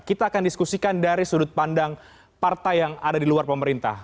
kita akan diskusikan dari sudut pandang partai yang ada di luar pemerintah